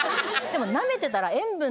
でもなめてたら。